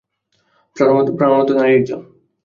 প্রাণবন্ত নারী একজন।